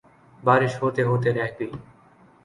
بارش ہوتے ہوتے رہ گئی